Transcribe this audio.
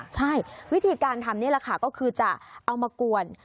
ใช่วิธีการทำนี่แหละค่ะก็คือจะเอามากวน